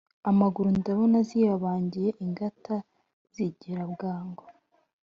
Amaguru ndabona ziyabangiye ingata zigira bwangu